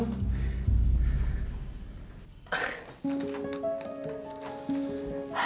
dua puluh butuh aja